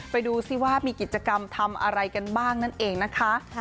ไปดูซิว่ามีกิจกรรมทำอะไรกันบ้างนั่นเองนะคะ